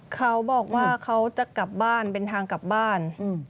เขาบอกว่าเขาจะกลับบ้านเป็นทางกลับบ้าน